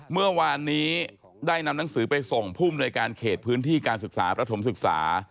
เมื่อวานนี้ได้นำหนังสือไปส่งผู้มนวยการเขตพื้นที่การศึกษาประถมศึกษา